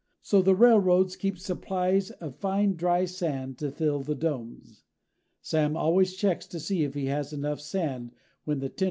So the railroads keep supplies of fine dry sand to fill the domes. Sam always checks to see if he has enough sand when the tender takes on coal.